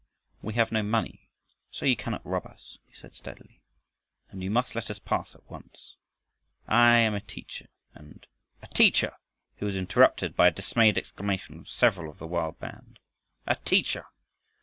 "We have no money, so you cannot rob us," he said steadily, "and you must let us pass at once. I am a teacher and " "A TEACHER!" he was interrupted by a dismayed exclamation from several of the wild band. "A teacher!"